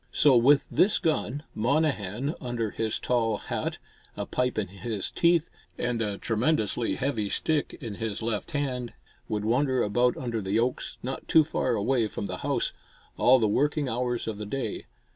So with this gun, Monnehan, under his tall hat, a pipe in his teeth and a tremendously heavy stick in his left hand would wander about under the oaks, not too far away from the house, all the working hours of the day.